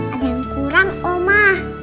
ada yang kurang oma